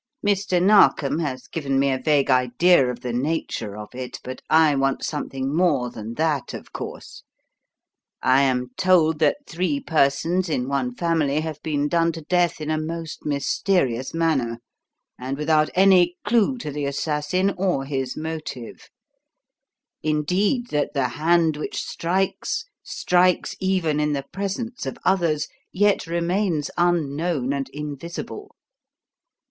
"Mr. Narkom has given me a vague idea of the nature of it, but I want something more than that, of course. I am told that three persons in one family have been done to death in a most mysterious manner, and without any clue to the assassin or his motive; indeed that the hand which strikes strikes even in the presence of others, yet remains unknown and invisible.